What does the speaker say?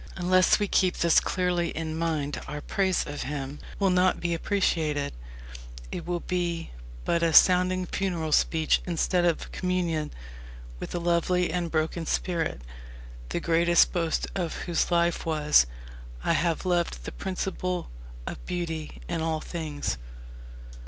Unless we keep this clearly in mind our praise of him will not be appreciation. It will be but a sounding funeral speech instead of communion with a lovely and broken spirit, the greatest boast of whose life was: "I have loved the principle of beauty in all things."